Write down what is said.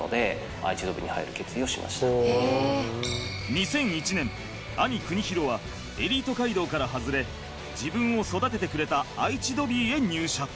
２００１年兄邦裕はエリート街道から外れ自分を育ててくれた愛知ドビーへ入社。